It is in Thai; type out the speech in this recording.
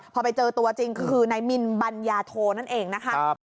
พอไปเจอตัวจริงคือนายมินบัญญาโทนั่นเองนะคะ